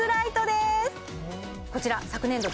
こちら昨年度